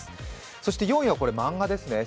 そして４位は漫画ですね。